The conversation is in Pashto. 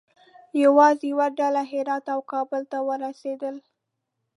یوازې یوه ډله هرات او کابل ته ورسېدل.